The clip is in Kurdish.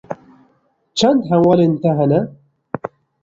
Çend hevalên te hene?